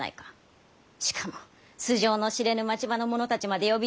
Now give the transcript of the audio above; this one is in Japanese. しかも素性の知れぬ町場の者たちまで呼び入れ。